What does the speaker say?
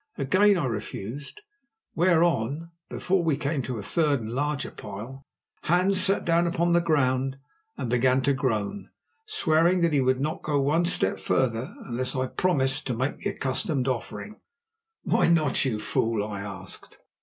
Again I refused, whereon, before we came to a third and larger pile, Hans sat down upon the ground and began to groan, swearing that he would not go one step farther unless I promised to make the accustomed offering. "Why not, you fool?" I asked.